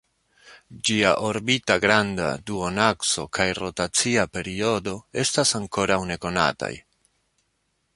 Ĝiaj orbita granda duonakso kaj rotacia periodo estas ankoraŭ nekonataj.